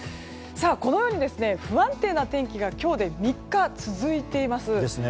このように不安定な天気が今日で３日続いています。